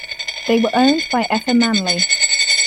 They were owned by Effa Manley.